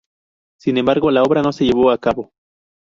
Sin embargo, la obra no se llevó a cabo.